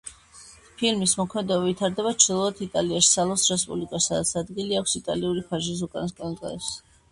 ფილმის მოქმედება ვითარდება ჩრდილოეთ იტალიაში, სალოს რესპუბლიკაში, სადაც ადგილი აქვს იტალიური ფაშიზმის უკანასკნელ დღეებს.